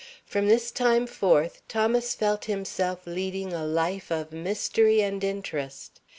From this time forth Thomas felt himself leading a life of mystery and interest.